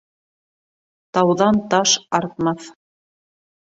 Тауҙан таш артмаҫ